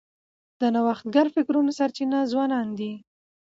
د نوښتګر فکرونو سرچینه ځوانان دي.